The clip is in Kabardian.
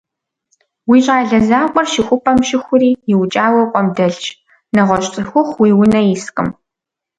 Уи щӀалэ закъуэр щыхупӀэм щыхури, иукӀауэ къуэм дэлъщ. НэгъуэщӀ цӀыхухъу уи унэ искъым.